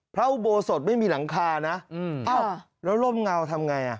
พระอุโบสถไม่มีหลังคานะแล้วร่มเงาทำไงอ่ะ